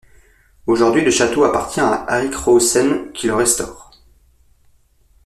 Aujourd'hui, le château appartient à Eric Roosens, qui le restaure.